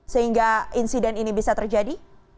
sehingga insiden ini bisa terjadi